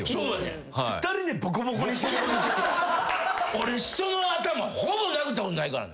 俺人の頭ほぼ殴ったことないからね。